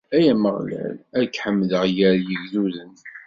Ay Ameɣlal, ad k-ḥemdeɣ gar yigduden!